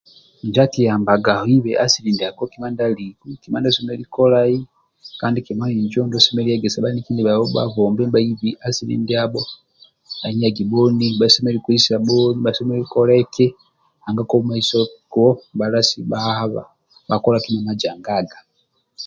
injo akiyambaga oibe asili ndiako kima ndia liku kima ndiasu ndikili na kolai kibhuegese bhaniki ndibhasu asili ndiabho aenyagi bhoni bhakeisa bhoni bhasemelelu kola eki nanga ka mumasio kuwo nibhalasi bhahabha bhakola kima majangaga